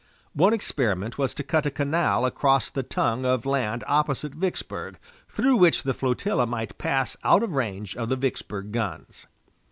One experiment was to cut a canal across the tongue of land opposite Vicksburg, through which the flotilla might pass out of range of the Vicksburg guns.